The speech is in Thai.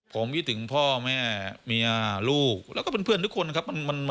ผมคิดถึงพ่อแม่เมียลูกแล้วก็เพื่อนทุกคนครับ